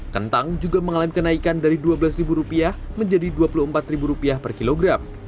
kentang juga mengalami kenaikan dari rp dua belas menjadi rp dua puluh empat per kilogram